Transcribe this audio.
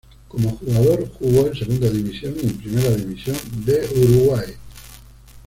Como jugador, jugó en Segunda División y en Primera División de Uruguay.